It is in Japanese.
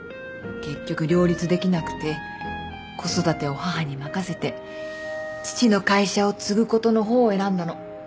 結局両立できなくて子育てを母に任せて父の会社を継ぐことの方を選んだの。